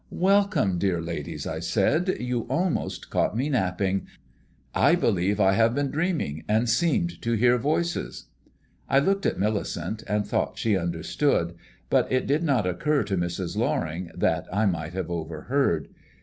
"Welcome, dear ladies," I said. "You almost caught me napping. I believe I have been dreaming, and seemed to hear voices." I looked at Millicent, and thought she understood; but it did not occur to Mrs. Loring that I might have overheard.